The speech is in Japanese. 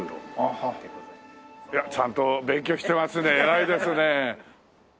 いやちゃんと勉強してますね偉いですねえ。